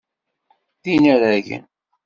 D inaragen.